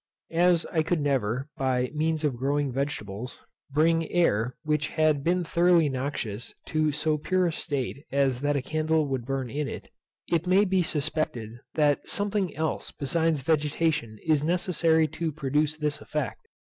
As I could never, by means of growing vegetables, bring air which had been thoroughly noxious to so pure a state as that a candle would burn in it, it may be suspected that something else besides vegetation is necessary to produce this effect.